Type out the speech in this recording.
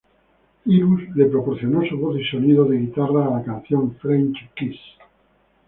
Cyrus le proporcionó su voz y sonidos de guitarra a la canción "French Kiss".